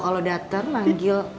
kalau datar manggil